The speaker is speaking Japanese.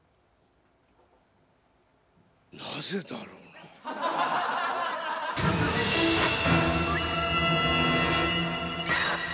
なぜだろうなぁ⁉